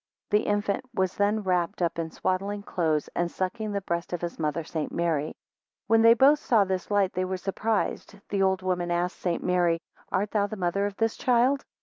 11 The infant was then wrapped up in swaddling clothes, and sucking the breasts of his mother St. Mary. 12 When they both saw this light, they were surprised; the old woman asked St. Mary, Art thou the mother of this child?